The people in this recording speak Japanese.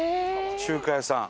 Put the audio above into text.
中華屋さん。